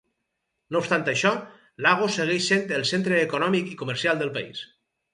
No obstant això, Lagos segueix sent el centre econòmic i comercial del país.